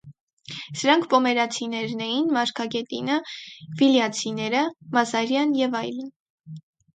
Սրանք պոմերացիներն էին, մարգագետինը, վիլյացիները, մազարիան և այլն։